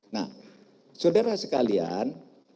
nah saudara sekalian